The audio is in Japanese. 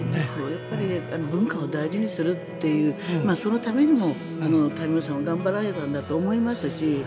やっぱり文化を大事にするというそのためにも谷村さんは頑張られたんだと思いますし。